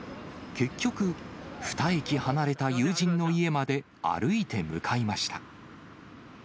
結局、２駅離れた友人の家まで歩いて向かいました。